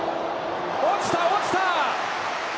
落ちた落ちた！